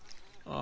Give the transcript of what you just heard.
あ